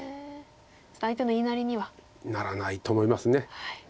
ちょっと相手の言いなりには。ならないと思います。